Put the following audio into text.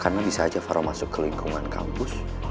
karena bisa aja farou masuk ke lingkungan kampus